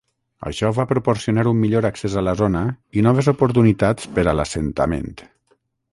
Això va proporcionar un millor accés a la zona i noves oportunitats per a l'assentament.